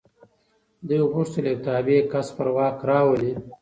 دوی غوښتل یو تابع کس پر واک راولي.